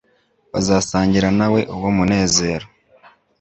Bazasangira na we uwo munezero